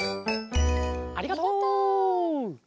ありがとう。